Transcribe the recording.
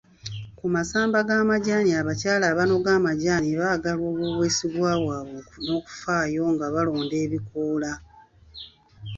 Ku masamba g'amajaani, abakyala abanoga amajaani baagalwa olw'obwesigwa bwabwe n'okufaayo nga balonda ebikoola.